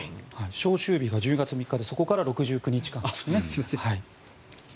召集日が１０月３日でそこから６９日間ですね。